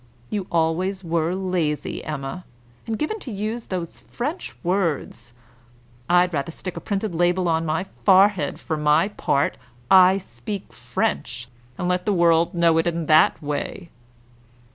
You always were lazy, Emma and given to use those French words. I'd rather stick a printed label on my forehead, for my part, 'I speak French,' and let the world know it in that way."